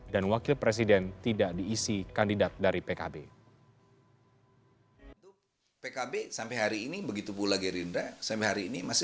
dan wujudnya dikonsumsi